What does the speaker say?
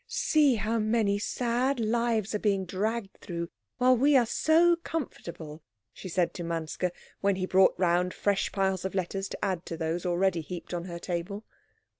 "See how many sad lives are being dragged through while we are so comfortable," she said to Manske, when he brought round fresh piles of letters to add to those already heaped on her table.